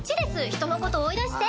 人のこと追い出して！